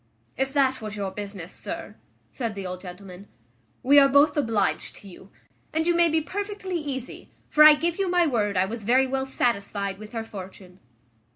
"If that was your business, sir," said the old gentleman, "we are both obliged to you; and you may be perfectly easy; for I give you my word I was very well satisfied with her fortune."